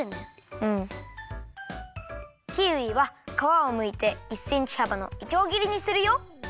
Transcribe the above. キウイはかわをむいて１センチはばのいちょうぎりにするよ。